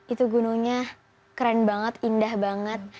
itu gunungnya keren banget indah banget